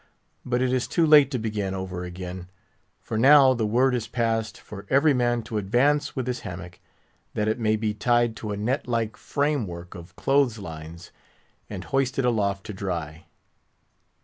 But it is too late to begin over again; for now the word is passed for every man to advance with his hammock, that it may be tied to a net like frame work of clothes lines, and hoisted aloft to dry.